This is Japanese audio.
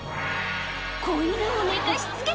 子犬を寝かしつけた